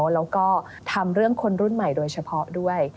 แล้วก็ทำเรื่องคนรุ่นใหม่โดยเฉพาะด้วย